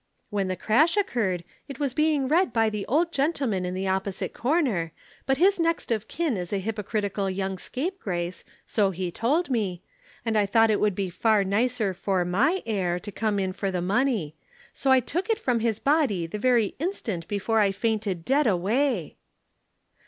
When the crash occurred it was being read by the old gentleman in the opposite corner but his next of kin is a hypocritical young scapegrace (so he told me) and I thought it would be far nicer for my heir to come in for the money. So I took it from his body the very instant before I fainted dead away!'